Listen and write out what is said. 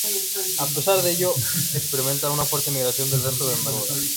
A pesar de ello, experimenta una fuerte migración del resto de Noruega.